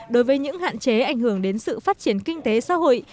đối với những hạn chế ảnh hưởng đến sự phát triển kinh tế xã hội